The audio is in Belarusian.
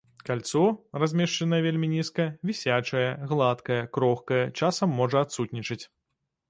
Кальцо, размешчанае вельмі нізка, вісячае, гладкае, крохкае, часам можа адсутнічаць.